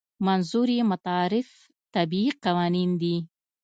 منظور یې متعارف طبیعي قوانین دي.